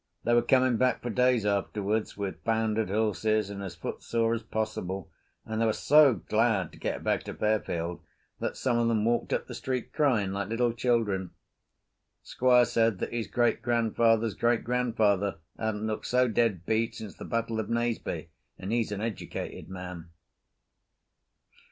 They were coming back for days afterwards with foundered horses and as footsore as possible, and they were so glad to get back to Fairfield that some of them walked up the street crying like little children. Squire said that his great grandfather's great grandfather hadn't looked so dead beat since the battle of Naseby, and he's an educated man.